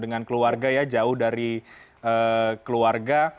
dengan keluarga ya jauh dari keluarga